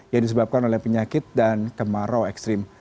yang disebabkan oleh penyakit dan kemarau ekstrim